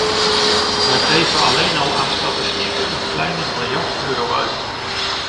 Wij geven alleen al aan statistieken een kleine miljard euro uit.